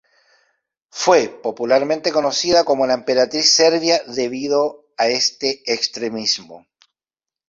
Fue popularmente conocida como la emperatriz serbia debido a este extremismo.